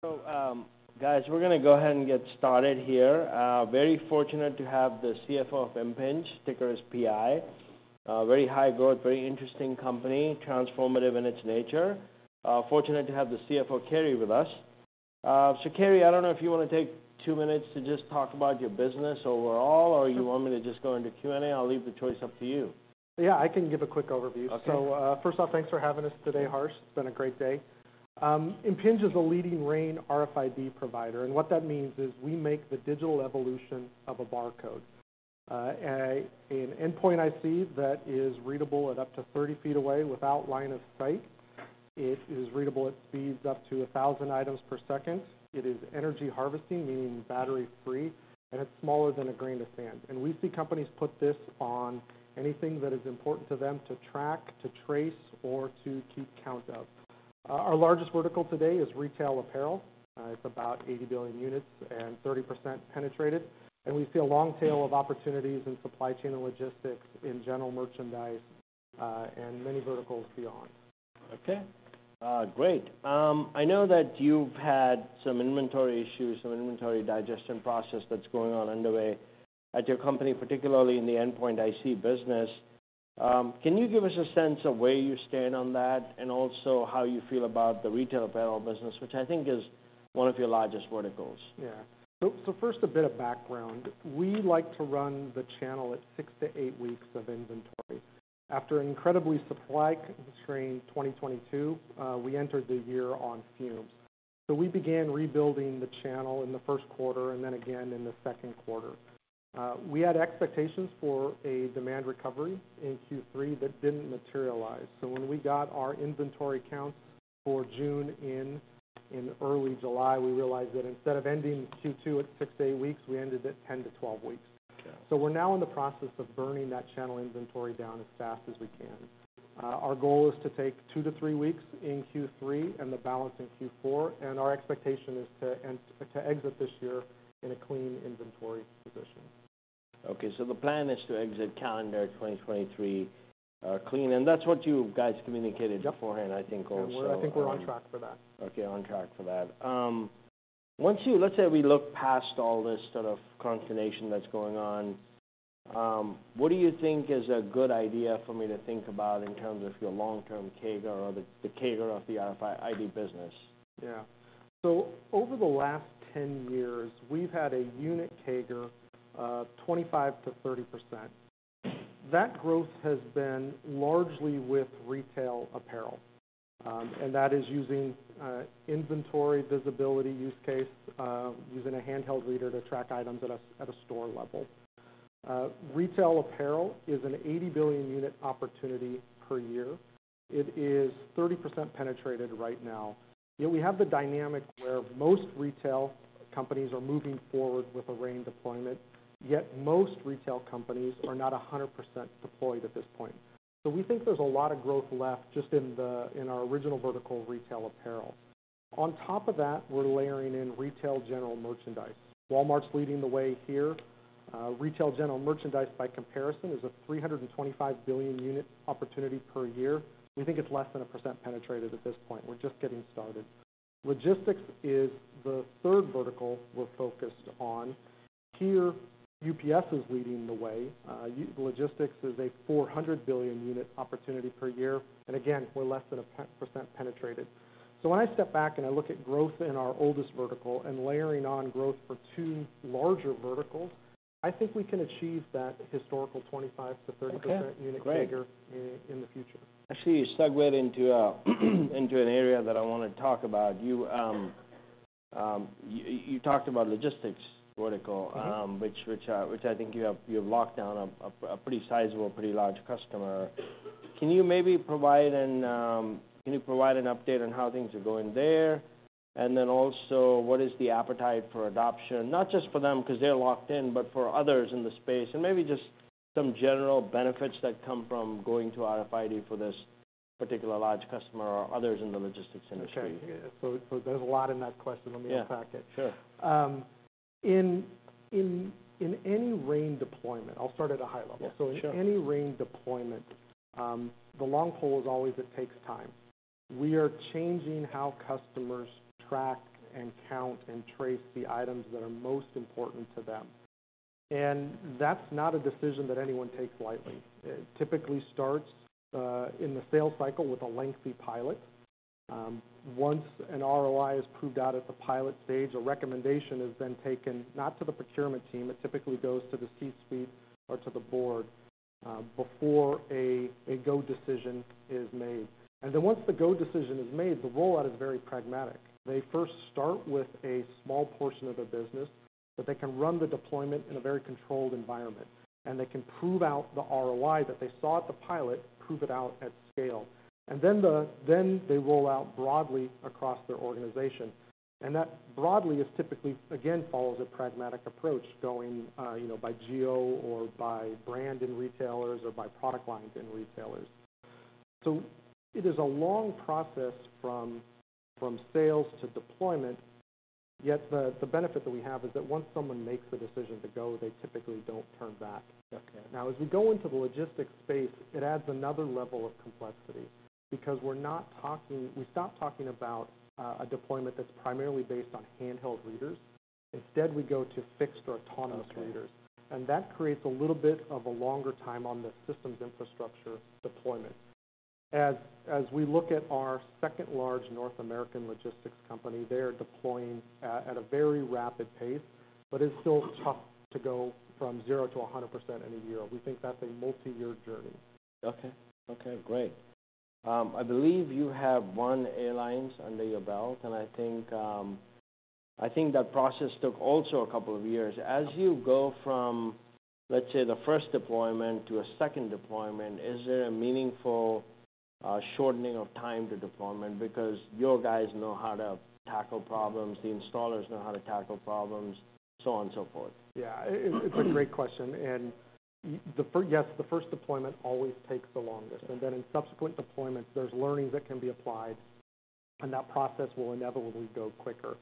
So, guys, we're gonna go ahead and get started here. Very fortunate to have the CFO of Impinj, ticker is PI. Very high growth, very interesting company, transformative in its nature. Fortunate to have the CFO, Cary, with us. So Cary, I don't know if you wanna take two minutes to just talk about your business overall, or you want me to just go into Q&A? I'll leave the choice up to you. Yeah, I can give a quick overview. Okay. So, first off, thanks for having us today, Harsh. It's been a great day. Impinj is a leading RAIN RFID provider, and what that means is we make the digital evolution of a barcode. An endpoint IC that is readable at up to 30 feet away without line of sight. It is readable at speeds up to 1,000 items per second. It is energy harvesting, meaning battery-free, and it's smaller than a grain of sand. And we see companies put this on anything that is important to them to track, to trace, or to keep count of. Our largest vertical today is retail apparel. It's about 80 billion units and 30% penetrated, and we see a long tail of opportunities in supply chain and logistics, in general merchandise, and many verticals beyond. Okay. Great. I know that you've had some inventory issues, some inventory digestion process that's going on underway at your company, particularly in the endpoint IC business. Can you give us a sense of where you stand on that, and also how you feel about the retail apparel business, which I think is one of your largest verticals? Yeah. So first, a bit of background. We like to run the channel at 6-8 weeks of inventory. After an incredibly supply constrained 2022, we entered the year on fumes. So we began rebuilding the channel in the first quarter, and then again in the second quarter. We had expectations for a demand recovery in Q3 that didn't materialize. So when we got our inventory counts for June in early July, we realized that instead of ending Q2 at 6-8 weeks, we ended at 10-12 weeks. Yeah. So we're now in the process of burning that channel inventory down as fast as we can. Our goal is to take 2-3 weeks in Q3 and the balance in Q4, and our expectation is to exit this year in a clean inventory position. Okay, so the plan is to exit calendar 2023, clean, and that's what you guys communicated- Yep - beforehand, I think also. I think we're on track for that. Okay, on track for that. Once you—let's say we look past all this sort of consternation that's going on, what do you think is a good idea for me to think about in terms of your long-term CAGR or the CAGR of the RFID business? Yeah. So over the last 10 years, we've had a unit CAGR of 25%-30%. That growth has been largely with retail apparel, and that is using inventory visibility use case, using a handheld reader to track items at a store level. Retail apparel is an 80 billion unit opportunity per year. It is 30% penetrated right now, yet we have the dynamic where most retail companies are moving forward with a RAIN deployment, yet most retail companies are not 100% deployed at this point. So we think there's a lot of growth left just in the, in our original vertical retail apparel. On top of that, we're layering in retail general merchandise. Walmart's leading the way here. Retail general merchandise, by comparison, is a 325 billion unit opportunity per year. We think it's less than 1% penetrated at this point. We're just getting started. Logistics is the third vertical we're focused on. Here, UPS is leading the way. Logistics is a 400 billion unit opportunity per year, and again, we're less than 1% penetrated. So when I step back and I look at growth in our oldest vertical and layering on growth for two larger verticals, I think we can achieve that historical 25%-30%- Okay, great % unit figure in the future. Actually, you segue into an area that I want to talk about. You talked about logistics vertical- Mm-hmm... which I think you have, you've locked down a pretty sizable, pretty large customer. Can you maybe provide an update on how things are going there? And then also, what is the appetite for adoption? Not just for them, because they're locked in, but for others in the space, and maybe just some general benefits that come from going to RFID for this particular large customer or others in the logistics industry. Okay, yeah. So, so there's a lot in that question. Yeah. Let me unpack it. Sure. In any RAIN deployment... I'll start at a high level. Yeah, sure. So in any RAIN deployment, the long pole is always it takes time. We are changing how customers track and count and trace the items that are most important to them, and that's not a decision that anyone takes lightly. It typically starts in the sales cycle with a lengthy pilot. Once an ROI is proved out at the pilot stage, a recommendation is then taken, not to the procurement team. It typically goes to the C-suite or to the board before a go decision is made. And then once the go decision is made, the rollout is very pragmatic. They first start with a small portion of their business, but they can run the deployment in a very controlled environment, and they can prove out the ROI that they saw at the pilot, prove it out at scale, and then they roll out broadly across their organization. And that broadly is typically, again, follows a pragmatic approach, going, you know, by geo or by brand and retailers or by product lines and retailers. So it is a long process from sales to deployment. Yet the benefit that we have is that once someone makes the decision to go, they typically don't turn back. Okay. Now, as we go into the logistics space, it adds another level of complexity because we're not talking, we stop talking about a deployment that's primarily based on handheld readers. Instead, we go to fixed or autonomous readers. Okay. That creates a little bit of a longer time on the systems infrastructure deployment. As we look at our second-largest North American logistics company, they are deploying at a very rapid pace, but it's still tough to go from 0 to 100% in a year. We think that's a multi-year journey. Okay. Okay, great. I believe you have one airline under your belt, and I think, I think that process took also a couple of years. As you go from, let's say, the first deployment to a second deployment, is there a meaningful shortening of time to deployment? Because your guys know how to tackle problems, the installers know how to tackle problems, so on and so forth. Yeah, it's a great question, and yes, the first deployment always takes the longest. Okay. Then in subsequent deployments, there's learnings that can be applied, and that process will inevitably go quicker.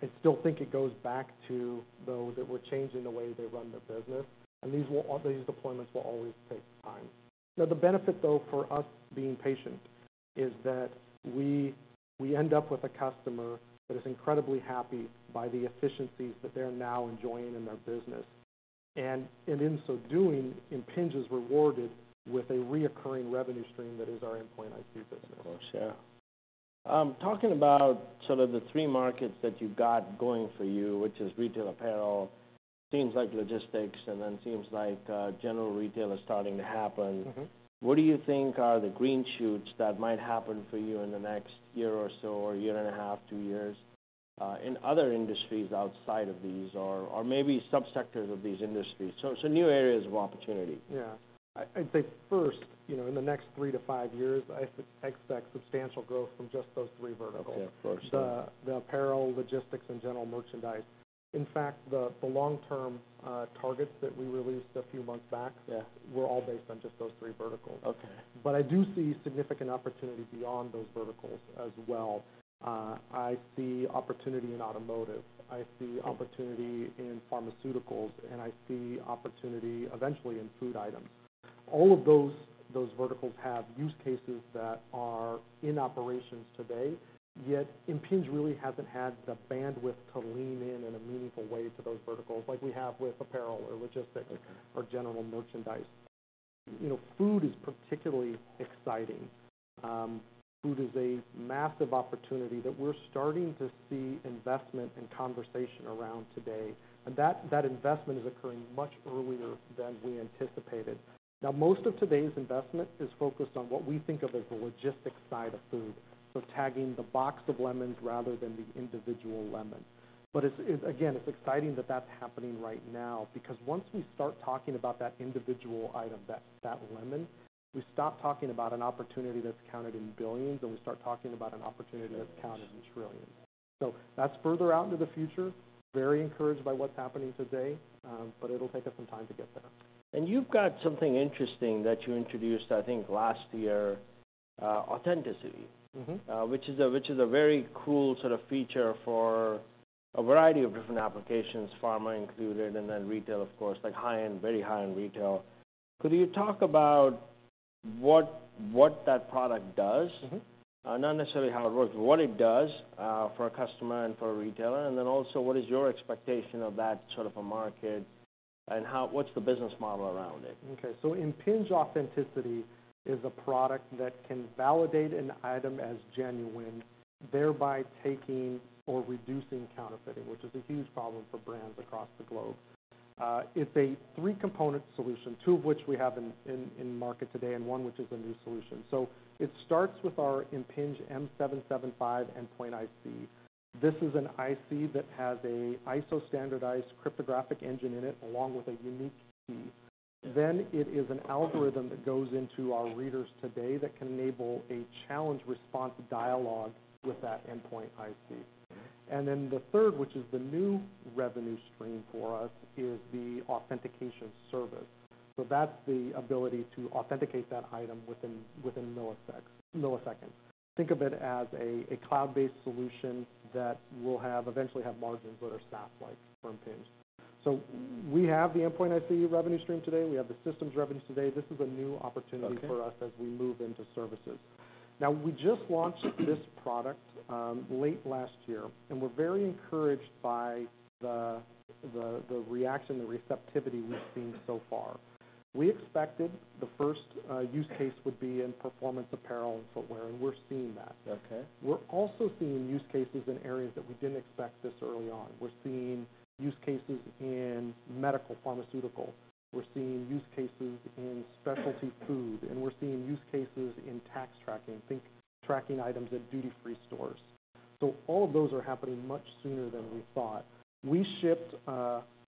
I still think it goes back to, though, that we're changing the way they run their business, and these will, all these deployments will always take time. Now, the benefit, though, for us being patient, is that we, we end up with a customer that is incredibly happy by the efficiencies that they're now enjoying in their business. And, and in so doing, Impinj is rewarded with a recurring revenue stream that is our Endpoint IC business. Of course, yeah. Talking about sort of the three markets that you've got going for you, which is retail apparel, seems like logistics, and then seems like general retail is starting to happen. Mm-hmm. What do you think are the green shoots that might happen for you in the next year or so, or year and a half, two years, in other industries outside of these, or, or maybe subsectors of these industries? So, so new areas of opportunity. Yeah. I'd say first, you know, in the next 3-5 years, I expect substantial growth from just those three verticals. Okay, of course. The apparel, logistics, and general merchandise. In fact, the long-term targets that we released a few months back- Yeah... were all based on just those three verticals. Okay. But I do see significant opportunity beyond those verticals as well. I see opportunity in automotive, I see opportunity in pharmaceuticals, and I see opportunity eventually in food items. All of those, those verticals have use cases that are in operations today, yet Impinj really hasn't had the bandwidth to lean in in a meaningful way to those verticals like we have with apparel or logistics- Okay... or general merchandise. You know, food is particularly exciting. Food is a massive opportunity that we're starting to see investment and conversation around today, and that investment is occurring much earlier than we anticipated. Now, most of today's investment is focused on what we think of as the logistics side of food, so tagging the box of lemons rather than the individual lemon. But it's again exciting that that's happening right now because once we start talking about that individual item, that lemon, we stop talking about an opportunity that's counted in billions, and we start talking about an opportunity- Yes... that's counted in trillions. So that's further out into the future. Very encouraged by what's happening today, but it'll take us some time to get there. You've got something interesting that you introduced, I think, last year, Authenticity. Mm-hmm. Which is a very cool sort of feature for a variety of different applications, pharma included, and then retail, of course, like high-end, very high-end retail. Could you talk about what that product does? Mm-hmm. Not necessarily how it works, but what it does for a customer and for a retailer. And then also, what is your expectation of that sort of a market, and how, what's the business model around it? Okay, so Impinj Authenticity is a product that can validate an item as genuine, thereby taking or reducing counterfeiting, which is a huge problem for brands across the globe. It's a three-component solution, two of which we have in market today, and one, which is a new solution. So it starts with our Impinj M775 Endpoint IC. This is an IC that has a ISO-standardized cryptographic engine in it, along with a unique key. Then it is an algorithm that goes into our readers today that can enable a challenge-response dialogue with that Endpoint IC. Mm-hmm. And then the third, which is the new revenue stream for us, is the authentication service. So that's the ability to authenticate that item within milliseconds. Think of it as a cloud-based solution that will eventually have margins that are SaaS-like from Impinj. So we have the endpoint IC revenue stream today. We have the systems revenue today. This is a new opportunity- Okay... for us as we move into services. Now, we just launched this product late last year, and we're very encouraged by the reaction, the receptivity we've seen so far. We expected the first use case would be in performance apparel and footwear, and we're seeing that. Okay. We're also seeing use cases in areas that we didn't expect this early on. We're seeing use cases in medical, pharmaceuticals. We're seeing use cases in specialty food, and we're seeing use cases in tax tracking. Think tracking items at duty-free stores. So all of those are happening much sooner than we thought. We shipped,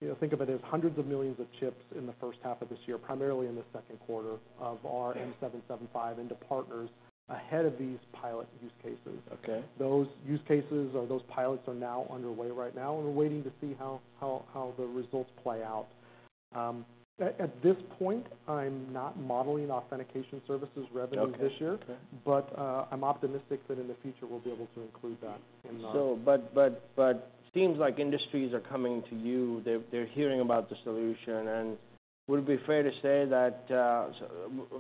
you know, think of it as hundreds of millions of chips in the first half of this year, primarily in the second quarter of our M775 into partners ahead of these pilot use cases. Okay. Those use cases or those pilots are now underway right now, and we're waiting to see how the results play out. At this point, I'm not modeling authentication services revenue this year. Okay, okay. I'm optimistic that in the future, we'll be able to include that in the- So, but seems like industries are coming to you. They're hearing about the solution, and would it be fair to say that?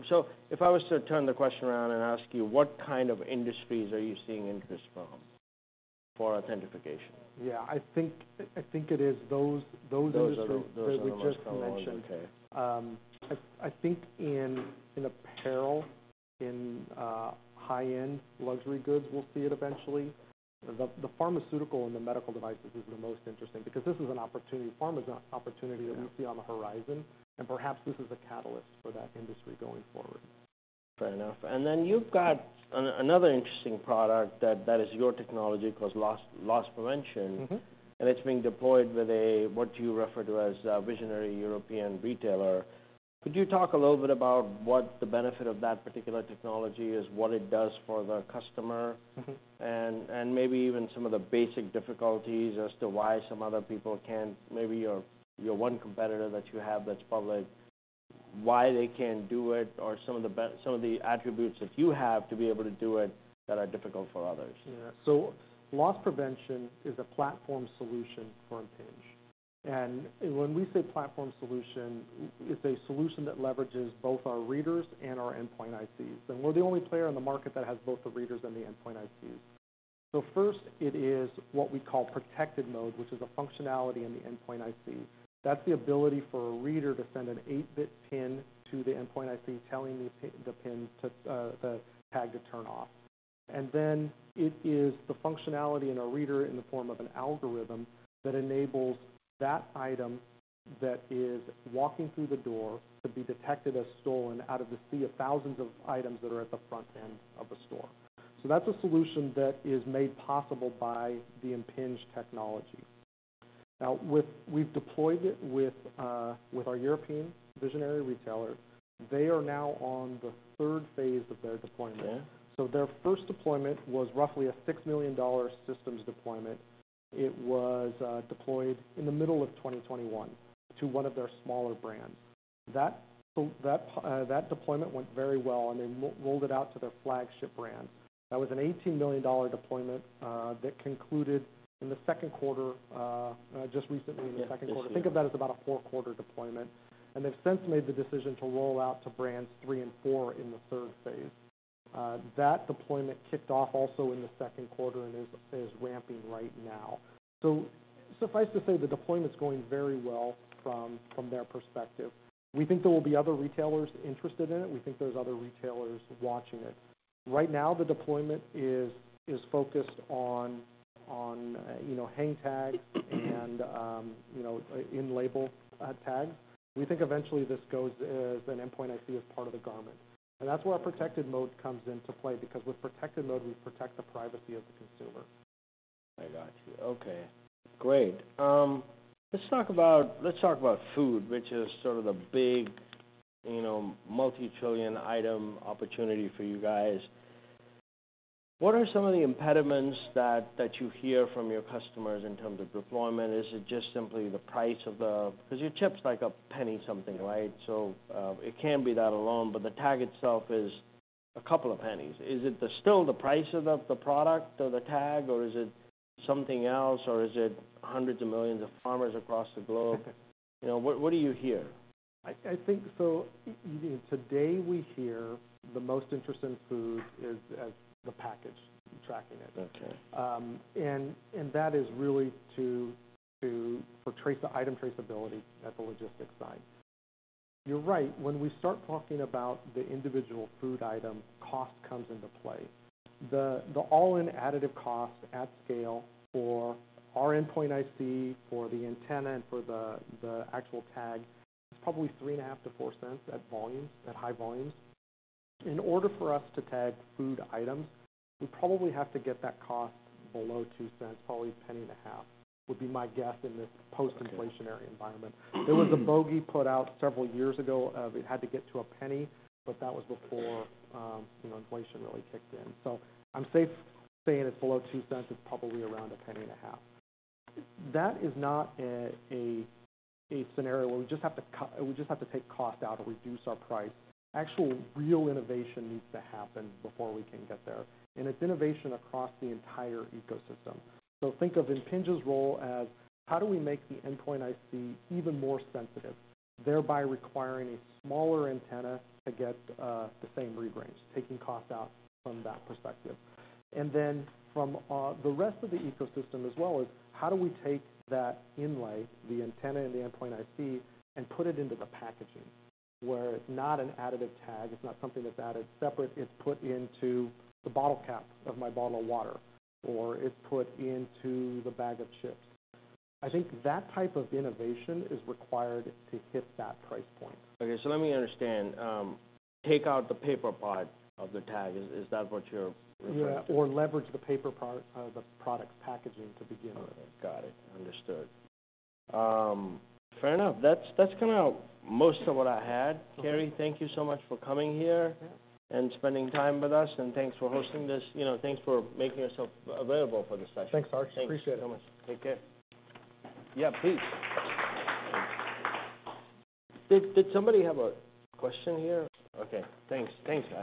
So if I was to turn the question around and ask you, what kind of industries are you seeing interest from for authentication? Yeah, I think it is those industries. Those are the, those are the most common. Okay. I think in apparel, in high-end luxury goods, we'll see it eventually. The pharmaceutical and the medical devices is the most interesting, because this is an opportunity. Pharma's an opportunity that we see on the horizon, and perhaps this is a catalyst for that industry going forward. Fair enough. And then you've got another interesting product that is your technology called Loss Prevention. Mm-hmm. It's being deployed with a, what you refer to as a visionary European retailer. Could you talk a little bit about what the benefit of that particular technology is, what it does for the customer? Mm-hmm. Maybe even some of the basic difficulties as to why some other people can't... Maybe your one competitor that you have that's public, why they can't do it, or some of the attributes that you have to be able to do it, that are difficult for others? Yeah. So Loss Prevention is a platform solution for Impinj. And when we say platform solution, it's a solution that leverages both our readers and our Endpoint ICs. And we're the only player on the market that has both the readers and the Endpoint ICs. So first, it is what we call Protected Mode, which is a functionality in the Endpoint IC. That's the ability for a reader to send an 8-bit PIN to the Endpoint IC, telling the pin to the tag to turn off. And then, it is the functionality in our reader in the form of an algorithm, that enables that item that is walking through the door to be detected as stolen out of the sea of thousands of items that are at the front end of a store. So that's a solution that is made possible by the Impinj technology. Now, we've deployed it with our European visionary retailer. They are now on the third phase of their deployment. Okay. So their first deployment was roughly a $6 million systems deployment. It was deployed in the middle of 2021 to one of their smaller brands. That deployment went very well, and they rolled it out to their flagship brand. That was an $18 million deployment that concluded in the second quarter just recently in the second quarter. Yeah. Think of that as about a 4-quarter deployment, and they've since made the decision to roll out to brands 3 and 4 in the third phase. That deployment kicked off also in the second quarter and is ramping right now. So suffice to say, the deployment's going very well from their perspective. We think there will be other retailers interested in it. We think there's other retailers watching it. Right now, the deployment is focused on you know hang tags and you know in-label tags. We think eventually this goes as an Endpoint IC as part of the garment, and that's where our Protected Mode comes into play. Because with Protected Mode, we protect the privacy of the consumer. I got you. Okay, great. Let's talk about, let's talk about food, which is sort of the big, you know, multi-trillion item opportunity for you guys. What are some of the impediments that, that you hear from your customers in terms of deployment? Is it just simply the price of the... Because your chip's like a penny something, right? So, it can't be that alone, but the tag itself is a couple of pennies. Is it still the price of the, the product or the tag, or is it something else, or is it hundreds of millions of farmers across the globe? You know, what, what do you hear? I think, so today we hear the most interest in food is, as the package, tracking it. Okay. And that is really to trace the item traceability at the logistics side. You're right, when we start talking about the individual food item, cost comes into play. The all-in additive cost at scale for our Endpoint IC, for the antenna, and for the actual tag, is probably $0.035-$0.04 at high volumes. In order for us to tag food items, we probably have to get that cost below $0.02, probably $0.015, would be my guess in this post-inflationary environment. Okay. There was a bogey put out several years ago, of it had to get to a penny, but that was before- Okay... you know, inflation really kicked in. So I'm safe saying it's below $0.02. It's probably around $0.015. That is not a scenario where we just have to take cost out or reduce our price. Actual, real innovation needs to happen before we can get there, and it's innovation across the entire ecosystem. So think of Impinj's role as how do we make the Endpoint IC even more sensitive, thereby requiring a smaller antenna to get the same read range, taking cost out from that perspective. And then, from the rest of the ecosystem as well, is how do we take that inlay, the antenna and the Endpoint IC, and put it into the packaging, where it's not an additive tag, it's not something that's added separate, it's put into the bottle cap of my bottle of water, or it's put into the bag of chips? I think that type of innovation is required to hit that price point. Okay, so let me understand. Take out the paper part of the tag. Is that what you're referring to? Yeah, or leverage the paper part of the product packaging to begin with. Got it. Understood. Fair enough. That's, that's kind of most of what I had. Okay. Cary, thank you so much for coming here- Yeah... and spending time with us, and thanks for hosting this. Thank you. You know, thanks for making yourself available for this session. Thanks, Harsh. Thanks. Appreciate it. Thanks so much. Take care. Yeah, please. Did somebody have a question here? Okay, thanks. Thanks, guys.